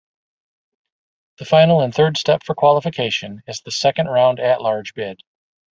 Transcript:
The final and third step for qualification is the Second Round At-Large Bid.